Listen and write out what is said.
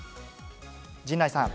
陣内さん。